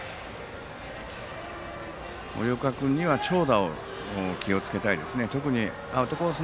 森岡君には長打を気をつけたいですね。